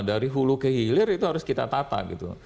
dari hulu ke hilir itu harus kita tata gitu